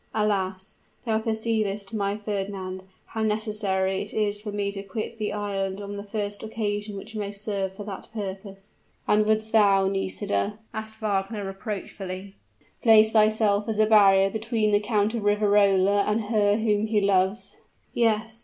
Alas! thou perceivest, my Fernand, how necessary it is for me to quit the island on the first occasion which may serve for that purpose!" "And wouldst thou, Nisida," asked Wagner reproachfully, "place thyself as a barrier between the Count of Riverola and her whom he loves?" "Yes!"